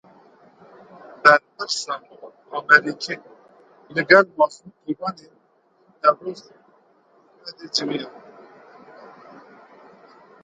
Berpirsa Amerîkî li gel Mezlûm Kobanî û Newroz Ehmedê civiya.